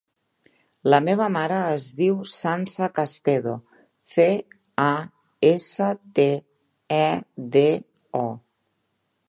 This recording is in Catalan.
La meva mare es diu Sança Castedo: ce, a, essa, te, e, de, o.